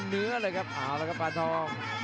เนื้อเลยครับอ๋อแล้วก็ปานทอง